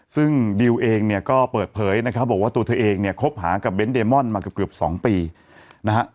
ซึ่งดิวเองเนี่ยก็เปิดเผยนะครับบอกว่าตัวเธอเองเนี่ยคบหากับเน้นเดมอนมาเกือบ๒ปีนะฮะ